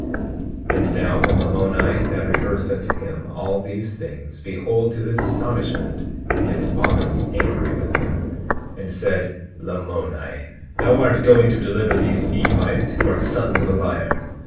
20:13 And now when Lamoni had rehearsed unto him all these things, behold, to his astonishment, his father was angry with him, and said: Lamoni, thou art going to deliver these Nephites, who are sons of a liar.